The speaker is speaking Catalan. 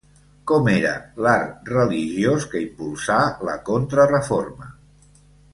Com era l'art religiós que impulsà la Contrareforma?